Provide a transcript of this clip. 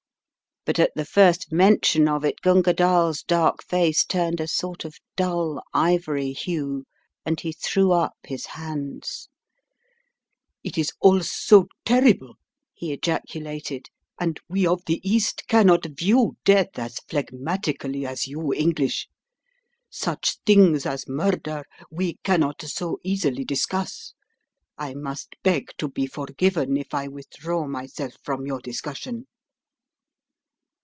But at the first mention of it Gunga DalTs dark face turned a sort of dull ivory hue, and he threw up his hands. "It is all so terrible," he ejaculated, "and we of the East cannot view death as phlegmatically as you English. Such things as murder we cannot so easily discuss. I must beg to be forgiven if I withdraw my self from your discussion."